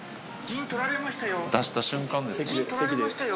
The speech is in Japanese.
出した瞬間ですよ。